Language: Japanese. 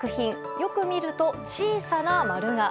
よく見ると小さな丸が。